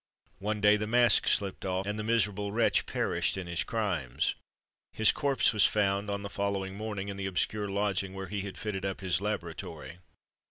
One day, the mask slipped off, and the miserable wretch perished in his crimes. His corpse was found, on the following morning, in the obscure lodging where he had fitted up his laboratory.